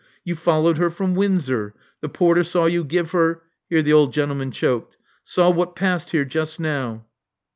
You followed her from Windsor. The porter saw you give her" (here the old gentleman choked) — saw what passed here just now."